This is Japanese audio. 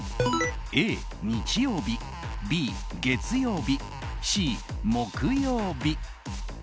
Ａ、日曜日Ｂ、月曜日Ｃ、木曜日。